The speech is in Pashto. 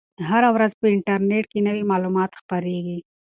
هره ورځ په انټرنیټ کې نوي معلومات خپریږي.